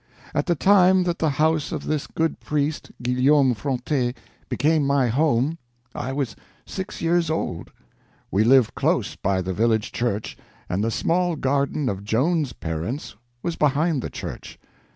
At the time that the house of this good priest, Guillaume Fronte, became my home, I was six years old. We lived close by the village church, and the small garden of Joan's parents was behind the church.